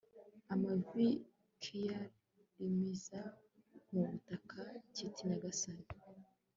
amavi kiyarimiza mu butaka, kiti nyagasani